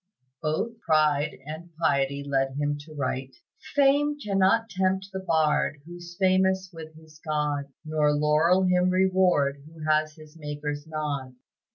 Both pride and piety led him to write, "Fame cannot tempt the bard Who's famous with his God, Nor laurel him reward Who has his Maker's nod."